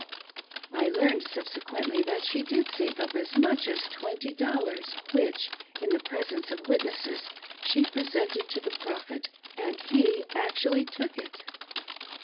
I learned subsequently that she did save up as much as ;^20, which, in the preSenc'e of witnesses, she presented to the Prophet — and he actually took it!